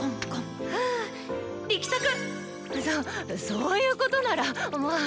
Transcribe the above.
そういうことならまぁ。